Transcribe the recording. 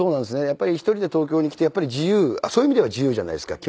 やっぱり１人で東京に来て自由そういう意味では自由じゃないですか。